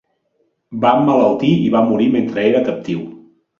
Va emmalaltir i va morir mentre era captiu.